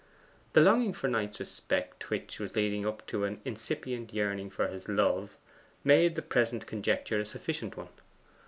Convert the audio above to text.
The longing for Knight's respect, which was leading up to an incipient yearning for his love, made the present conjuncture a sufficient one.